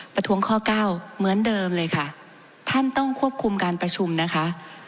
ประท้วงข้อเก้าเหมือนเดิมเลยค่ะท่านต้องควบคุมการประชุมนะคะ